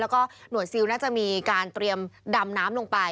แล้วก็หน่วยซิลน่าจะมีการเตรียมดำน้ำลงไป